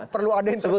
perlu ada intervensi